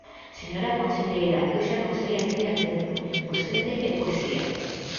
Señora conselleira, eu xa non sei a que aterme, vostede é poesía.